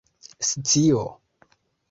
scio